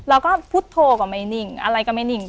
เราก็พูดโทกะไมนิ่งอะไรกะไม้นิ่ง